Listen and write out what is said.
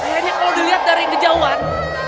kayaknya kalau dilihat dari kejauhan